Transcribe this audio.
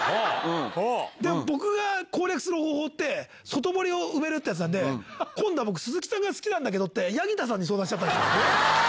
で僕が攻略する方法って外堀を埋めるってやつなんで今度は鈴木さんが好きって八木田さんに相談しちゃった。